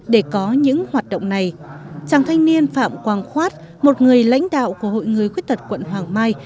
để có những hoạt động này chàng thanh niên phạm quang khoát một người lãnh đạo của hội người khuyết tật quận hoàng mai